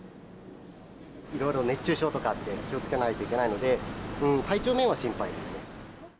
いろいろ熱中症とかあって気をつけないといけないので、体調面は心配ですね。